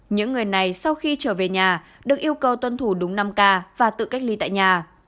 những người này sau khi trở về nhà được yêu cầu tuân thủ đúng năm k và tự cách ly tại nhà